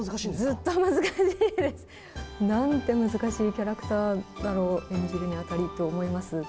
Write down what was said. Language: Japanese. ずっと難しいです。なんて難しいキャラクターだろう、演じるにあたりと思いますが。